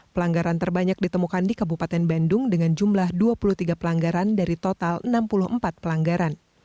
pelanggaran terbanyak ditemukan di kabupaten bandung dengan jumlah dua puluh tiga pelanggaran dari total enam puluh empat pelanggaran